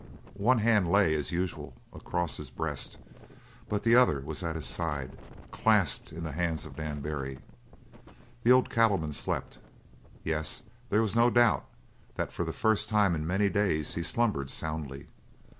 One hand lay as usual across his breast, but the other was at his side, clasped in the hands of Dan Barry. The old cattleman slept. Yes, there was no doubt that for the first time in many days he slumbered soundly.